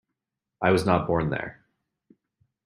I was not born there...